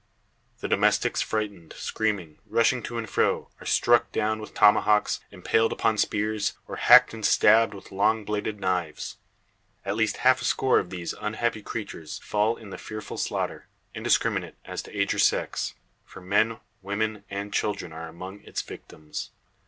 The domestics frightened, screaming, rushing to and fro, are struck down with tomahawks, impaled upon spears, or hacked and stabbed with long bladed knives. At least a half score of these unhappy creatures fall in the fearful slaughter. Indiscriminate as to age or sex: for men, women, and children are among its victims.